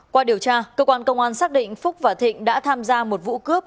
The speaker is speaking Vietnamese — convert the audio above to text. qua điều tra cơ quan công an xác định phúc và thịnh đã tham gia một vụ cướp